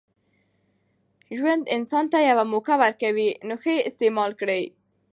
ژوند انسان ته یوه موکه ورکوي، نوښه ئې استعیمال کړئ!